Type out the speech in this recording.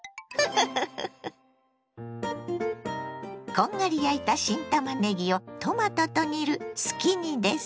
こんがり焼いた新たまねぎをトマトと煮るすき煮です。